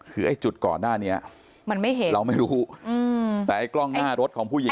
คือไอ้จุดก่อนหน้านี้เราไม่รู้แต่ไอ้กล้องหน้ารถของผู้หญิง